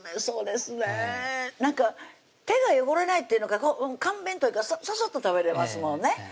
そうですねなんか手が汚れないっていうのか簡便というかササッと食べれますもんね